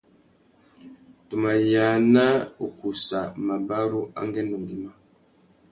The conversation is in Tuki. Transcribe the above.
Tu mà yāna ukussa mabarú angüêndô ngüimá.